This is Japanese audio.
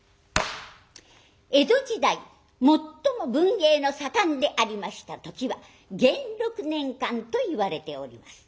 江戸時代最も文芸の盛んでありました時は元禄年間といわれております。